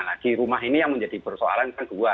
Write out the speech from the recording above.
lagi rumah ini yang menjadi bersoalan kan dua